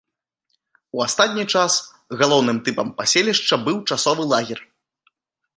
У астатні час галоўным тыпам паселішча быў часовы лагер.